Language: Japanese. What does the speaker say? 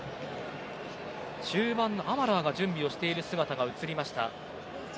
中盤のアマラーが準備している姿が映りました。